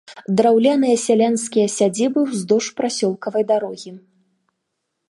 Драўляныя сялянскія сядзібы ўздоўж прасёлкавай дарогі.